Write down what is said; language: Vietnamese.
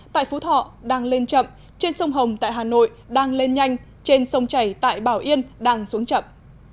tại phú thọ đang lên chậm trên sông hồng tại hà nội đang lên nhanh trên sông chảy tại bảo yên đang xuống chậm